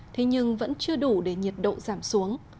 thế nhưng vẫn chưa đủ để nhiệt độ giảm xuống